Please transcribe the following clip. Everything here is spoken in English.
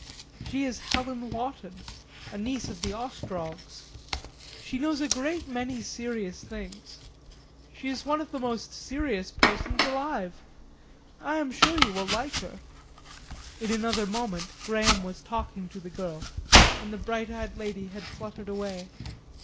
"She is Helen Wotton a niece of Ostrog's. She knows a great many serious things. She is one of the most serious persons alive. I am sure you will like her." In another moment Graham was talking to the girl, and the bright eyed lady had fluttered away.